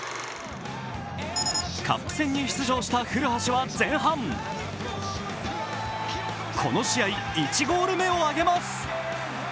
カップ戦に出場した古橋は前半、この試合１ゴール目をあげます。